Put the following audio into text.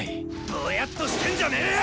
ぼやっとしてんじゃねえよ！